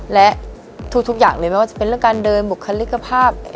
และทุกอย่างเลยไม่ว่าจะเป็นเรื่องการเดินบุคลิกภาพ